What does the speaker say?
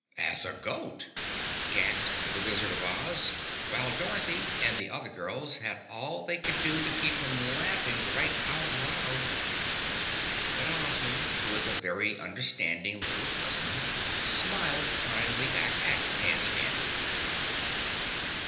"As a goat!" gasped the Wizard of Oz while Dorothy and the other girls had all they could do to keep from laughing right out loud. But Ozma, who was a very understanding little person, smiled kindly back at Handy Mandy.